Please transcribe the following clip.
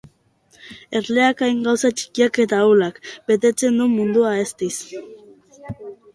Erleak, hain gauza txikiak eta ahulak, betetzen du mundua eztiz.